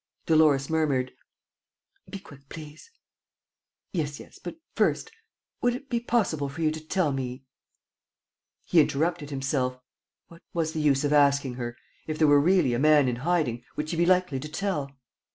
Dolores murmured: "Be quick, please." "Yes, yes, but first ... would it be possible for you to tell me ...?" He interrupted himself. What was the use of asking her? If there were really a man in hiding, would she be likely to tell?